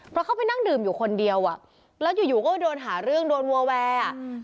เพราะเขาไปนั่งดื่มอยู่คนเดียวอยู่โดนหาเรื่องโดนวัวแวร์